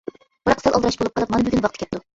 بىراق سەل ئالدىراش بولۇپ قىلىپ مانا بۈگۈن ۋاقتى كەپتۇ.